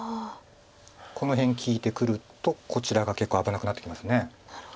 この辺利いてくるとこちらが結構危なくなってきます。